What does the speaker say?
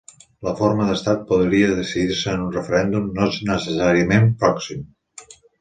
La forma d'estat podria decidir-se en un referèndum no necessàriament pròxim.